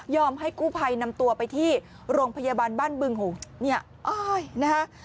ให้กู้ภัยนำตัวไปที่โรงพยาบาลบ้านบึงเนี่ยอ้อยนะฮะ